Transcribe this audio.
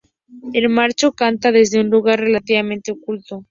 El macho canta desde un lugar relativamente oculto.